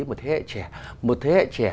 một thế hệ trẻ một thế hệ trẻ